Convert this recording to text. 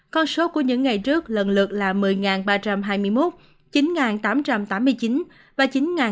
con số của những ngày trước lần lượt là một mươi ba trăm hai mươi một chín tám trăm tám mươi chín và chín năm trăm ba mươi một